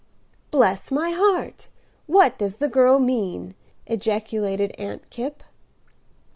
"Bless my heart! what does the girl mean?" ejaculated Aunt Kipp.